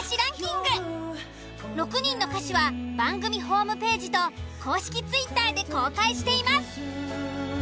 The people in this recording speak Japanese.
６人の歌詞は番組ホームページと公式Ｔｗｉｔｔｅｒで公開しています。